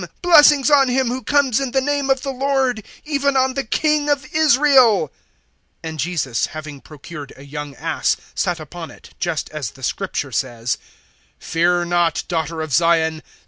Blessings on him who comes in the name of the Lord even on the King of Israel!" 012:014 And Jesus, having procured a young ass, sat upon it, just as the Scripture says, 012:015 "Fear not, Daughter of Zion!